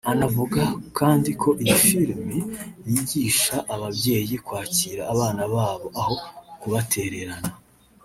Anavuga kandi ko iyi filimi yigisha ababyeyi kwakira abana babo aho kubatererana